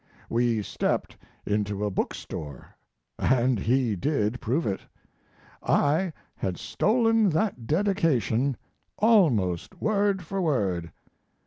We stepped into a book store. and he did prove it. I had stolen that dedication almost word for word.